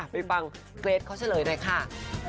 ไปฟังเกรทเขาเฉลยหน่อยค่ะ